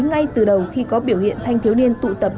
ngay từ đầu khi có biểu hiện thanh thiếu niên tụ tập